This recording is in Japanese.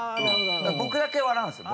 僕だけ笑うんですよ